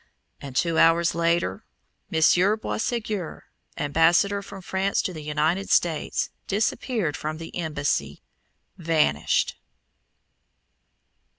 And two hours later Monsieur Boisségur, ambassador from France to the United States, disappeared from the embassy, vanished!